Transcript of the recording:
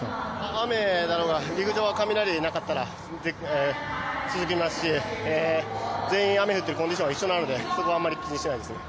雨だろうが、陸上は雷でなかったら続きますし全員、雨降ってるコンディションは同じなので、そこはあまり気にしてないですね。